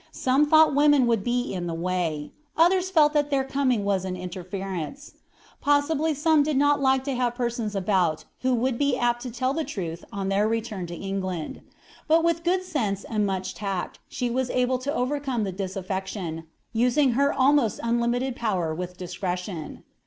Some thought women would be in the way; others felt that their coming was an interference. Possibly some did not like to have persons about who would be apt to tell the truth on their return to England. But with good sense and much tact she was able to overcome the disaffection, using her almost unlimited power with discretion.